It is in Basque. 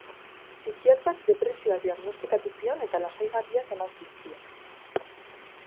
Psikiatrak depresioa diagnostikatu zion eta lasaigarriak eman zizkion.